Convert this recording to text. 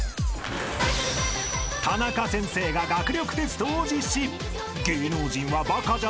［タナカ先生が学力テストを実施］